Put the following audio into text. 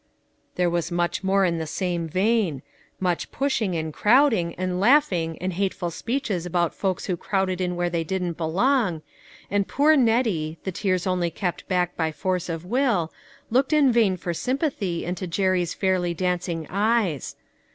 There was much more in the same vein ; much pushing and crowding, and laughing and hate ful speeches about folks who crowded in where they didn't belong, and poor Nettie, the tears only kept back by force of will, looked in vain for sympathy into Jerry's fairly dancing eyes.